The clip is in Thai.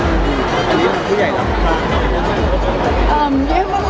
มันก็ประพิเศษใกล้ตรงนี้นะคะวันนี้